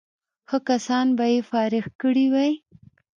ښه کسان به یې فارغ کړي وای.